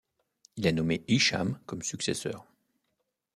Il a nommé Hichâm comme successeur.